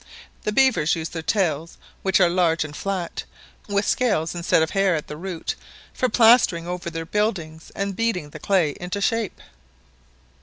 The beavers use their tails which are large and flat, with scales instead of hair at the root for plastering over their buildings and beating the clay into shape.